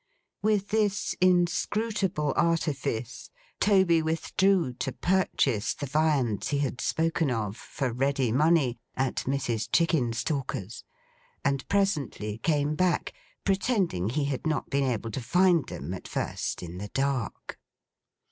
With this inscrutable artifice, Toby withdrew to purchase the viands he had spoken of, for ready money, at Mrs. Chickenstalker's; and presently came back, pretending he had not been able to find them, at first, in the dark.